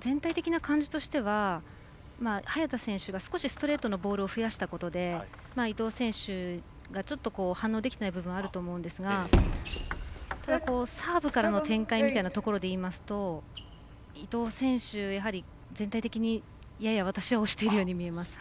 全体的な感じとしては早田選手が少しストレートのボールを増やしたことで伊藤選手がちょっと反応できてない部分あると思うんですがサーブからの展開みたいなところでいいますと伊藤選手、全体的にやや押していると私は思います。